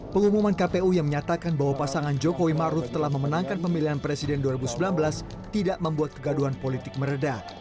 pengumuman kpu yang menyatakan bahwa pasangan jokowi maruf telah memenangkan pemilihan presiden dua ribu sembilan belas tidak membuat kegaduhan politik meredah